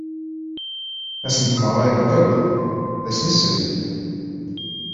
Ass n tmeɣra yewweḍ-d, d ass n ssebt.